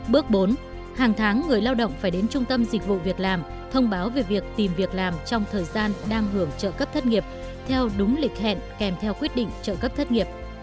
bước bốn hàng tháng người lao động phải đến trung tâm dịch vụ việc làm thông báo về việc tìm việc làm trong thời gian đang hưởng trợ cấp thất nghiệp theo đúng lịch hẹn kèm theo quyết định trợ cấp thất nghiệp